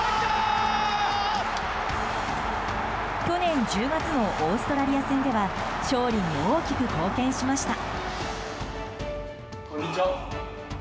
去年１０月のオーストラリア戦では勝利に大きく貢献しました。